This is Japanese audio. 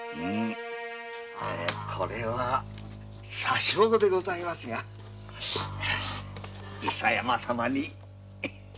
これは些少ではございますが伊佐山様に。